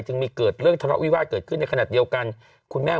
จึงมีเกิดเรื่องทะเลาะวิวาสเกิดขึ้นในขณะเดียวกันคุณแม่